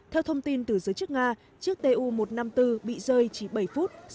theo thông tin từ giới chức nga chiếc tu một trăm năm mươi bốn bị rơi chỉ bảy phút